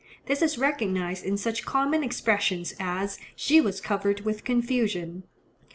This is recognized in such common expressions as "she was covered with confusion."